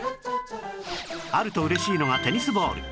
あると嬉しいのがテニスボール